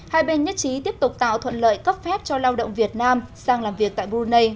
hai bên nhất trí tiếp tục tạo thuận lợi cấp phép cho lao động việt nam sang làm việc tại brunei